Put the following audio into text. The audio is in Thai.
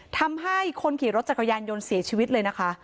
ทำให้คนขี่รถจักรยานยนต์เสียชีวิตเลยนะคะ